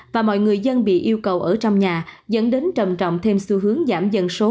và mọi người dân bị yêu cầu ở trong nhà dẫn đến trầm trọng thêm xu hướng giảm dân số